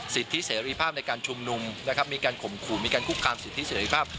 สิทธิเสรีภาพในการชุมนุมนะครับมีการข่มขู่มีการคุกคามสิทธิเสรีภาพ